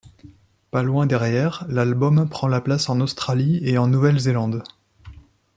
Pas loin derrière, l'album prend la place en Australie et en Nouvelle-Zélande.